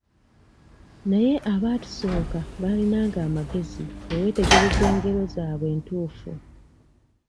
Naye abaatusooka balinanga amagezi bwe weetegereza engero zaabwe ntuufu.